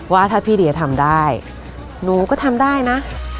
ว่าถ้าพี่เดียทำได้หนูก็ทำได้นะ